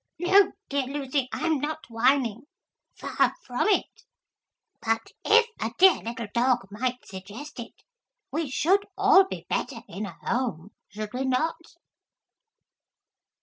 'No, dear Lucy, I am not whining. Far from it. But if a dear little dog might suggest it, we should all be better in a home, should we not?'